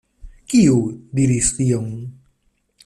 Kiu diris tion?